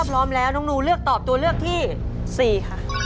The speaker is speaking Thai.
พร้อมแล้วน้องนูเลือกตอบตัวเลือกที่๔ค่ะ